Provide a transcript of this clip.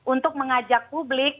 untuk mengajak publik